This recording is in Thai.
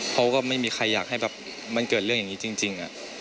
เขาก็ไม่มีใครอยากให้แบบมันเกิดเรื่องอย่างนี้จริง